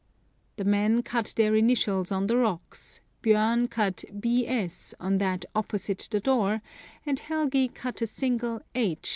" The men cut their initials on the rocks ; Bjom cut B. S. on that opposite the door, and Helgi cut a single H.